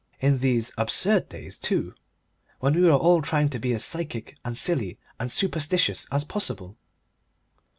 In these absurd days, too, when we are all trying to be as psychic, and silly, and superstitious as possible!